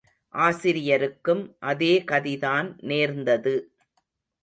ஆசிரியருக்கும் அதேகதிதான் நேர்ந்தது.